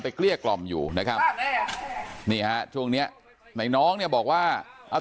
ผู้ชมครับท่าน